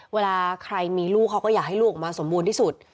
เวลาใครมีลูกเขาก็อยากให้ลูกออกมาสมบูรณ์ที่สุด